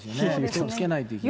気をつけないといけない。